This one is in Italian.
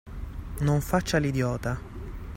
Non faccia l'idiota!